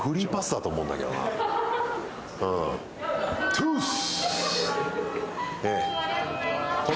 トゥース！